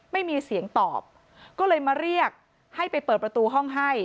ไม่มีเสียงตอบก็เลยมาเรียกให้ไปเปิดประตูห้องให้